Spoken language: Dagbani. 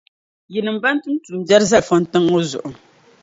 yinim’ bɛn tum tumbiɛri zali fɔntiŋ’ ŋɔ zuɣu.